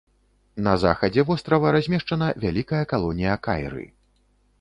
На захадзе вострава размешчана вялікая калонія кайры.